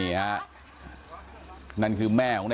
พี่แม่งตายตกผู้ชายกันล่ะ